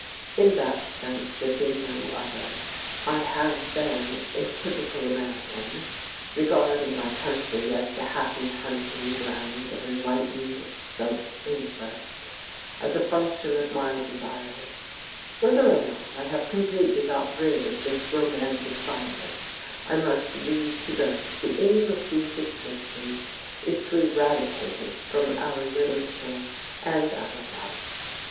In that sense, if in no other, I have been a typical American, regarding my country as the happy hunting ground of enlightened self interest, as a function of my desires. Whether or not I have completely got rid of this romantic virus I must leave to those the aim of whose existence is to eradicate it from our literature and our life.